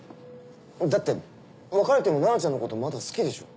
だって別れても菜奈ちゃんのことまだ好きでしょ？